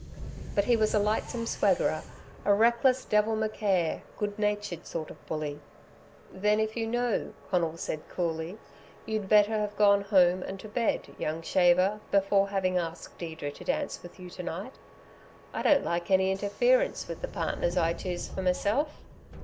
But he was a lightsome swaggerer, a reckless, devil me care, good natured sort of bully. "Then if you know," said Conal coolly, "you'd better have gone home and to bed, young shaver, before havin' asked Deirdre to dance with you to night. I don't like any interference with the partners I choose for meself."